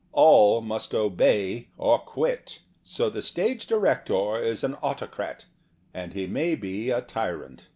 All must obey or quit. So the stage director is an autocrat, and he may be a tyrant.